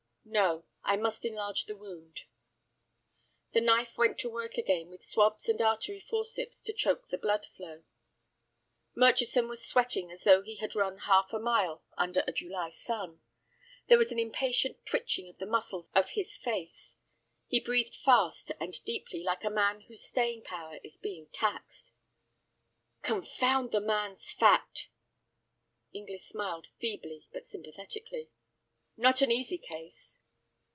"No. I must enlarge the wound." The knife went to work again, with swabs and artery forceps to choke the blood flow. Murchison was sweating as though he had run half a mile under a July sun. There was an impatient twitching of the muscles of his face. He breathed fast and deeply, like a man whose staying power is being taxed. "Confound the man's fat!" Inglis smiled feebly but sympathetically. "Not an easy case."